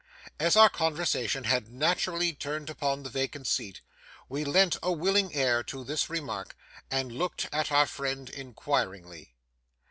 As our conversation had naturally turned upon the vacant seat, we lent a willing ear to this remark, and looked at our friend inquiringly.